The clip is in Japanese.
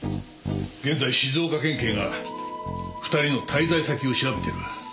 現在静岡県警が２人の滞在先を調べてる。